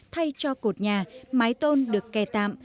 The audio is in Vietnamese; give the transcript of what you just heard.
thay cho cột nhà mái tôn được kè tạm